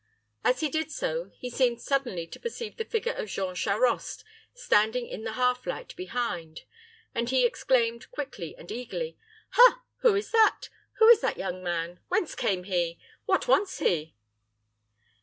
As he did so, he seemed suddenly to perceive the figure of Jean Charost, standing in the half light behind, and he exclaimed, quickly and eagerly, "Ha! who is that? Who is that young man? Whence came he? What wants he?"